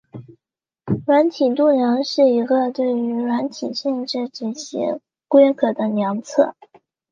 软体度量是一个对于软体性质及其规格的量测。